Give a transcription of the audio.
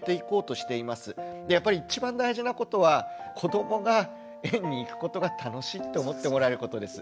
でやっぱり一番大事なことは子どもが園に行くことが楽しいって思ってもらえることです。